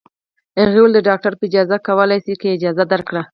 هغې وویل: د ډاکټر په اجازه کولای شې، که یې اجازه درکړه.